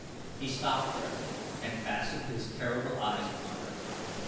He stopped there and fastened his terrible eyes upon her.